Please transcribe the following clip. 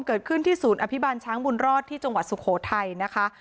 เกิดขึ้นที่ศูนย์อภิบาลช้างบุญรอดที่จังหวัดสุโขทัยนะคะ